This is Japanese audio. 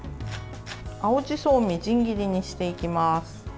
青じそをみじん切りにしていきます。